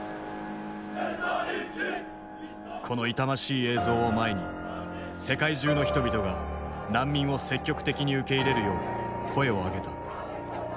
この痛ましい映像を前に世界中の人々が難民を積極的に受け入れるよう声を上げた。